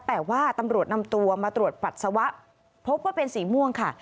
แต่ว่าตำรวจนำตัวมาตรวจปัสสาวะพบว่าเป็นสีม่วงค่ะ